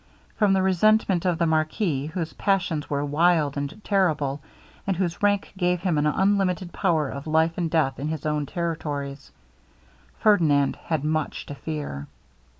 From the resentment of the marquis, whose passions were wild and terrible, and whose rank gave him an unlimited power of life and death in his own territories, Ferdinand had much to fear.